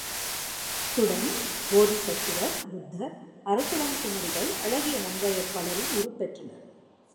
துடன் போதிசத்துவர், புத்தர், அரசிளங்குமரிகள், அழகிய நங்கையர் பலரும் உருப்பெற்றனர்.